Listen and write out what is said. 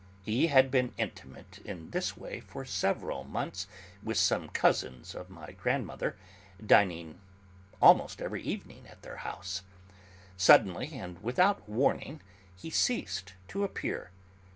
He had been intimate in this way for several months with some cousins of my grandmother, dining almost every evening at their house. Suddenly, and without any warning, he ceased to appear.